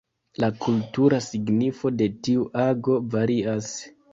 La kultura signifo de tiu ago varias.